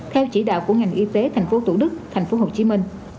theo chỉ đạo của ngành y tế tp tủ đức tp hcm